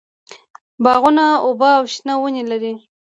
باغونه اوبه او شنه ونې لري.